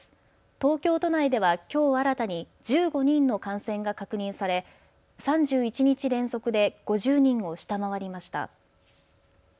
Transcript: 東京都内ではきょう新たに１５人の感染が確認され、３１日連続で５０人を下回りました。